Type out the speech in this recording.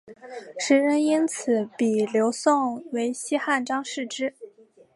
时人因此比刘颂为西汉张释之。